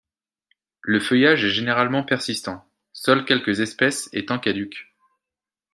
Le feuillage est généralement persistant, seules quelques espèces étant caduques.